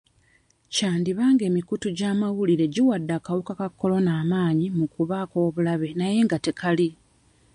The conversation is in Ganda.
Kyandiba ng'emikutu gy'amawulire giwadde akawuka ka Corona amaanyi mu kuba ak'obulabe naye nga tekali.